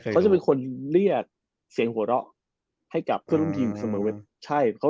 เขาจะเป็นคนเรียกเสียงหัวเราะให้กับเพื่อนรุ่นทีมเสมอเว้น